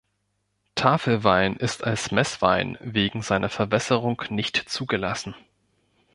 Tafelwein ist als Messwein wegen seiner Verwässerung nicht zugelassen.